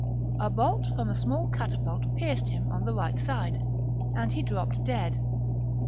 A bolt from a small catapult ^ pierced him on the right side, and he dropped dead.